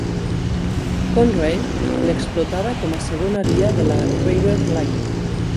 Conrail l'explotava com a segona via de la River Line.